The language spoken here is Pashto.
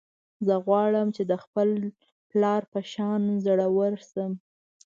زه غواړم چې د خپل پلار په شان زړور شم